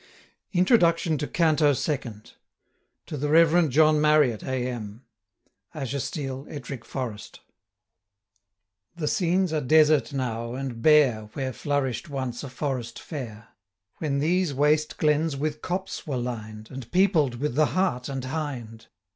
INTRODUCTION TO CANTO SECOND. TO THE REV JOHN MARRIOTT, A. M. Ashestiel, Ettrick Forest. The scenes are desert now, and bare Where flourish'd once a forest fair, When these waste glens with copse were lined, And peopled with the hart and hind.